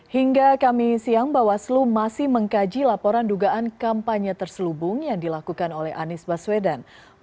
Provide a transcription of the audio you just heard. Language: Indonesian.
hingga kami siang bawaslu masih mengkaji laporan dugaan kampanye terselubung yang dilakukan oleh anies baswedan